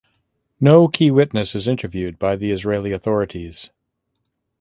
No key witness is interviewed by the Israeli authorities.